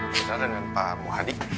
saya dengan pak muhadi